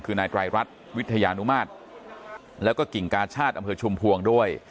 คือนายไตรรัฐวิทยานุมาตรแล้วก็กิ่งกาชาติอำเภอชุมพวงด้วย